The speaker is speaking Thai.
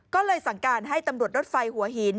ก็เลยสั่งการให้ตำรวจรถไฟหัวหิน